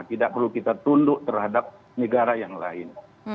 tidak perlu kita tunduk terhadap negara yang lain